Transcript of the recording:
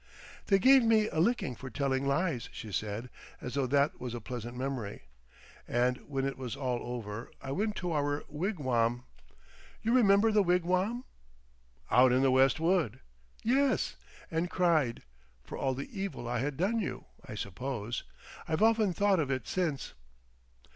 "They gave him a licking for telling lies!" she said, as though that was a pleasant memory. "And when it was all over I went to our wigwam. You remember the wigwam?" "Out in the West Wood?" "Yes—and cried—for all the evil I had done you, I suppose.... I've often thought of it since."...